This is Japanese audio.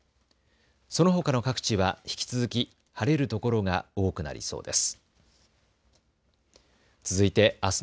そのほかの各地は引き続き晴れる所が多くなりそうです。